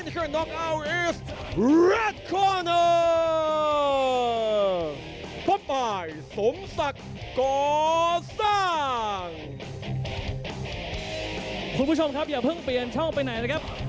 คุณผู้ชมครับอย่าเพิ่งเปลี่ยนช่องไปไหนนะครับ